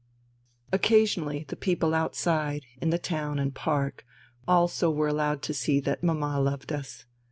Occasionally the people outside in the town and park also were allowed to see that mamma loved us.